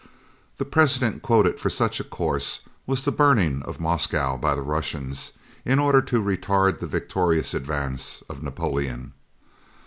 The precedent quoted for such a course was the burning of Moscow by the Russians, in order to retard the victorious advance of Napoleon.